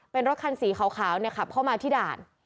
เป็นรถคันสีขาวขับเข้ามาที่ด่าน